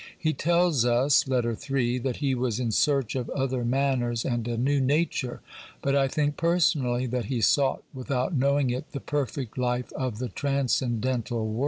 He tells us (Letter III.) that he was in search of other manners and a new nature, but I think personally that he sought with out knowing it the perfect life of the transcendental world.